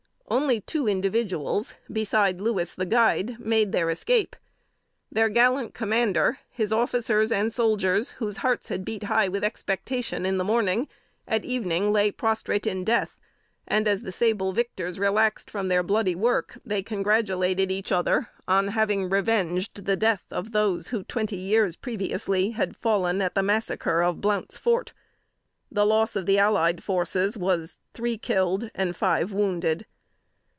Only two individuals beside Louis, the guide, made their escape. Their gallant commander, his officers and soldiers, whose hearts had beat high with expectation in the morning, at evening lay prostrate in death; and as the sable victors relaxed from their bloody work, they congratulated each other on having revenged the death of those who, twenty years previously, had fallen at the massacre of "Blount's Fort." The loss of the allied forces was three killed and five wounded.